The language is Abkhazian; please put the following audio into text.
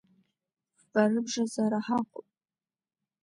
Фба рыбжазы ара ҳаҟоуп!